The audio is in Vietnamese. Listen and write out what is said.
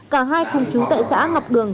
cả hai khung chú tệ xã ngọc đường